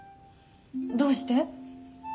どうして？